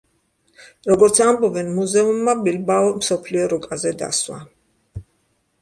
როგორც ამბობენ, მუზეუმმა ბილბაო მსოფლიო რუკაზე დასვა.